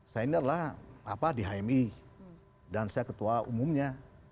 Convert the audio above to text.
saya ini adalah di hmi dan saya ketua umumnya